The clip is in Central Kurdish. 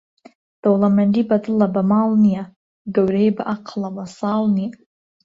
دەوڵەمەندی بەدڵە بە ماڵ نییە، گەورەیی بە عەقڵە بە ساڵ نییە.